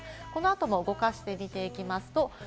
この後も動かしてみていきます。